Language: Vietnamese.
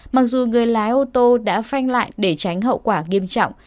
mặc dù người lái ô tô đã phanh lại để tránh hậu quả nghiêm trọng